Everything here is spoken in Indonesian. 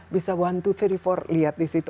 bisa satu dua tiga empat lihat di situ